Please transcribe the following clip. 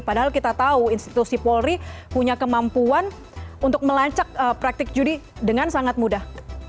padahal kita tahu institusi polri punya kemampuan untuk melacak praktik judi dengan sangat mudah